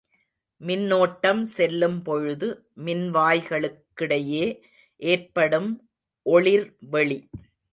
மின்னோட்டம் செல்லும் பொழுது, மின்வாய்களுக் கிடையே ஏற்படும் ஒளிர் வெளி.